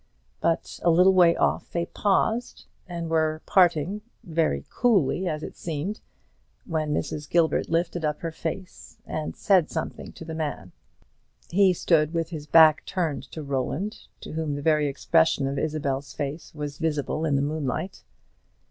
But a little way off they paused, and were parting, very coolly, as it seemed, when Mrs. Gilbert lifted up her face, and said something to the man. He stood with his back turned towards Roland, to whom the very expression of Isabel's face was visible in the moonlight.